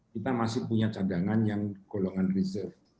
kita masih punya cadangan yang golongan reserve